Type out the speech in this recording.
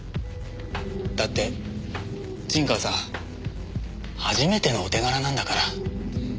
だって陣川さん初めてのお手柄なんだから。